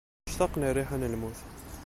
Ctaqen rriḥa n tmurt.